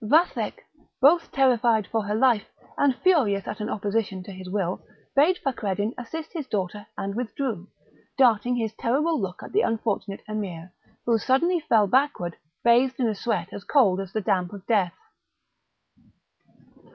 Vathek, both terrified for her life and furious at an opposition to his will, bade Fakreddin assist his daughter, and withdrew, darting his terrible look at the unfortunate Emir, who suddenly fell backward, bathed in a sweat cold as the damp of death.